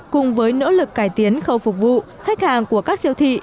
cùng với nỗ lực cải tiến khâu phục vụ khách hàng của các siêu thị